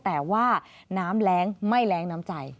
แต่ว่าน้ำแรงไม่แรงน้ำใจ